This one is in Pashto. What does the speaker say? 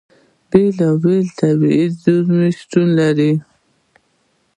بېلابېلې طبیعي زیرمې شتون لري.